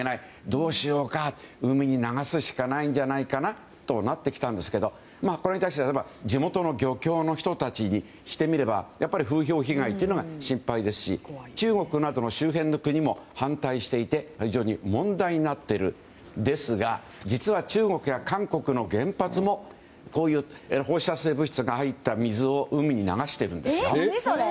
どうしようか、海に流すしかないんじゃないかなとなってきたんですけどこれに対して地元の漁協の人たちにしてみればやっぱり風評被害が心配ですし中国などの周辺の国も反対していて非常に問題になっているんですが実は中国や韓国の原発もこういう放射性物質が入った水を海に流しているんです。